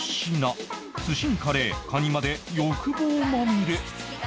寿司にカレーカニまで欲望まみれ